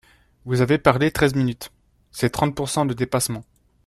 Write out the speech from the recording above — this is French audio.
Vous avez parlé treize minutes, c’est trente pourcent de dépassement